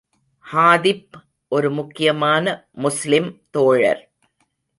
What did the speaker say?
ஹாதிப் ஒரு முக்கியமான முஸ்லிம் தோழர்.